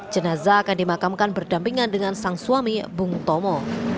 jenazah akan dimakamkan berdampingan dengan sang suami bung tomo